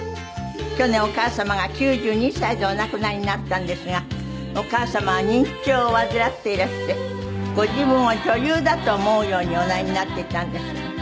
去年お母様が９２歳でお亡くなりになったんですがお母様は認知症を患っていらしてご自分を女優だと思うようにおなりになっていたんですって。